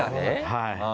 はい。